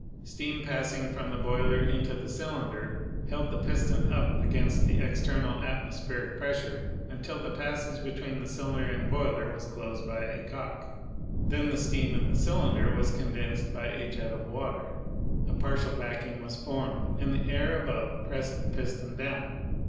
Steam passing from the boiler into the cylinder held the piston up against the external atmospheric pressure until the passage between the cylinder and boiler was closed by a cock. Then the steam in the cylinder was condensed by a jet of water. A partial vacuum was formed and the air above pressed the piston down.